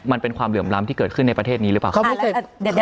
มันเป็นความเหลื่อมล้ำที่เกิดขึ้นในประเทศนี้หรือเปล่าครับ